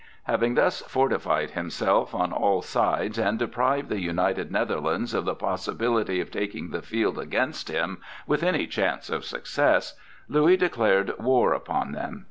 Having thus fortified himself on all sides and deprived the United Netherlands of the possibility of taking the field against him with any chance of success, Louis declared war upon them.